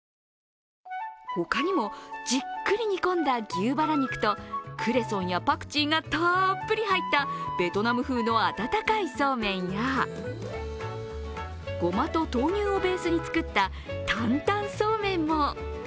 他にも、じっくり煮込んだ牛バラ肉と、クレソンやパクチーがたっぷり入ったベトナム風の温かいそうめんやごまと豆乳をベースに作った坦々そうめんも。